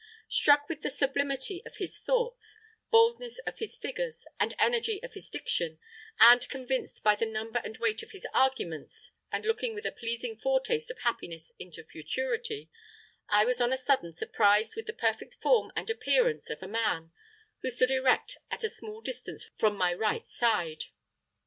Struck with the sublimity of his thoughts, boldness of his figures, and energy of his diction, and convinced by the number and weight of his arguments, and looking with a pleasing foretaste of happiness into futurity, I was on a sudden surprised with the perfect form and appearance of a man, who stood erect at a small distance from my right side.